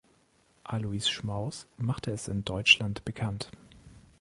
Alois Schmaus machte es in Deutschland bekannt.